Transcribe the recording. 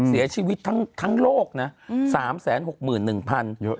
เสียชีวิตทั้งโลกนะ๓๖๑๐๐๐เยอะ